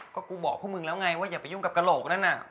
ก็กูบอกพวกมึงแล้วไงว่าอย่าไปยุ่งกับกระโหลกนั่นน่ะ